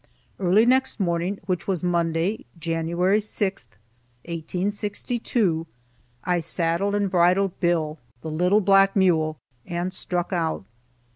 Early next morning, which was Monday, January 6, 1862, I saddled and bridled Bill, the little black mule, and struck out.